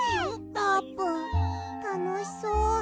あーぷんたのしそう。